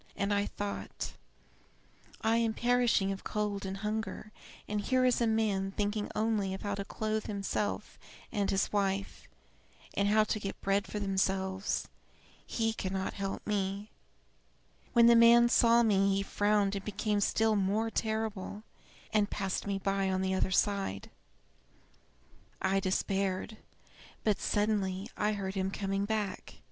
And I thought: 'I am perishing of cold and hunger, and here is a man thinking only of how to clothe himself and his wife, and how to get bread for themselves. He cannot help me.' When the man saw me he frowned and became still more terrible, and passed me by on the other side. I despaired; but suddenly I heard him coming back.